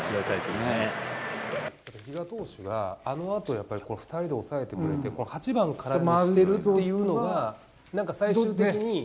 やっぱ比嘉投手が、あのあとやっぱり、２人で抑えてくれて、８番からにしてるっていうのが、なんか最終的に。